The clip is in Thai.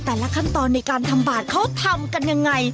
แต่ละขั้นตอนในการทำบาทเขาทำกันยังไง